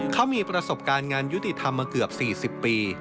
เขามีประสบการณ์งานยุติธรรมมาเกือบ๔๐ปี